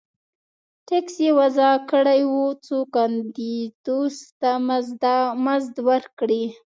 ټکس یې وضعه کړی و څو کاندیدوس ته مزد ورکړي